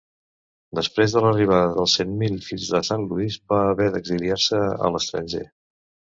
Després de l'arribada dels Cent Mil Fills de Sant Lluís va haver d'exiliar-se a l'estranger.